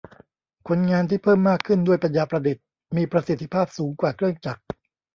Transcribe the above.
คนงานที่เพิ่มมากขึ้นด้วยปัญญาประดิษฐ์มีประสิทธิภาพสูงกว่าเครื่องจักร